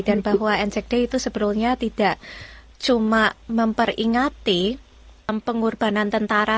dan bahwa anzac day itu sebetulnya tidak cuma memperingati pengorbanan tentara